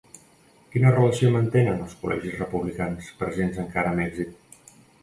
Quina relació mantenen els col·legis republicans presents encara a Mèxic?